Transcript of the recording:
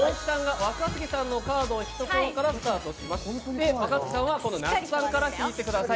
若槻さんは那須さんから引いてください。